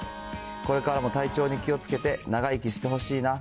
これからも体調に気をつけて長生きしてほしいな。